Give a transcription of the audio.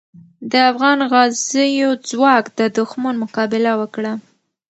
د افغان غازیو ځواک د دښمن مقابله وکړه.